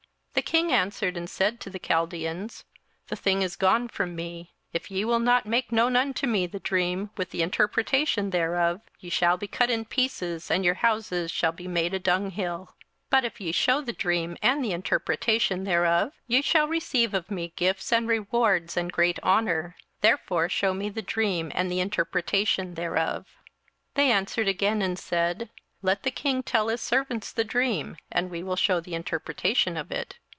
27:002:005 The king answered and said to the Chaldeans, The thing is gone from me: if ye will not make known unto me the dream, with the interpretation thereof, ye shall be cut in pieces, and your houses shall be made a dunghill. 27:002:006 But if ye shew the dream, and the interpretation thereof, ye shall receive of me gifts and rewards and great honour: therefore shew me the dream, and the interpretation thereof. 27:002:007 They answered again and said, Let the king tell his servants the dream, and we will shew the interpretation of it.